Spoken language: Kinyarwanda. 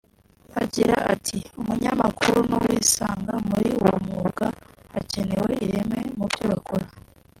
Agira ati “Umunyamakuru n’uwisanga muri uwo mwuga hakenewe ireme mubyo bakora